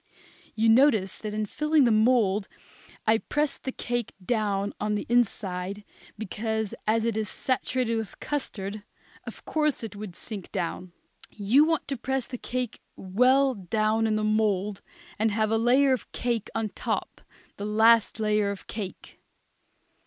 You noticed that in filling the mould I pressed the cake down on the inside, because, as it is saturated with the custard, of course it would sink down. You want to press the cake well down in the mould, and have a layer of cake on top, the last layer of cake.